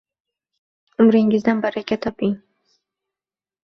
Umringizdan baraka toping...